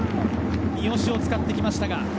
三好を使ってきました。